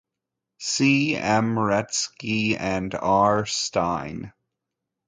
See M. Retsky and R. Stein.